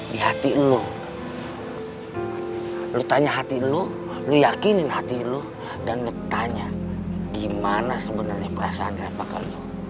di hati lu lu tanya hati lu lu yakinin hati lu dan lu tanya gimana sebenarnya perasaan reva ke lu